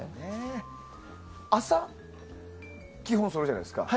朝、基本、そるじゃないですか。